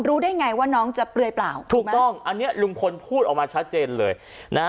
รู้ได้ไงว่าน้องจะเปลือยเปล่าถูกต้องอันนี้ลุงพลพูดออกมาชัดเจนเลยนะฮะ